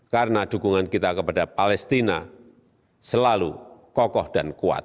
karena dukungan kita kepada palestina selalu kokoh dan kuat